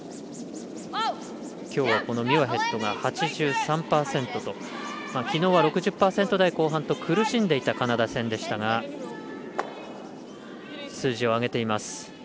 きょうはこのミュアヘッドが８３％ときのうは６０％後半と苦しんでいたカナダ戦でしたが数字を上げています。